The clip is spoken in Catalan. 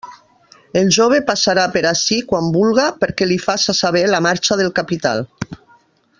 El jove passarà per ací quan vulga, perquè li faça saber la marxa del capital.